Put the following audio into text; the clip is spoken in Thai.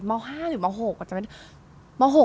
ม๕หรือม๖ก็จะเป็น